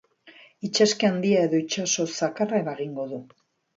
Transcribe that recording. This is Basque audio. Itsaski handia edo itsaso zakarra eragingo du.